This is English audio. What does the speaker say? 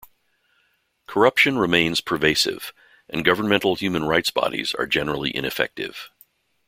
Corruption remains pervasive and governmental human rights bodies are generally ineffective.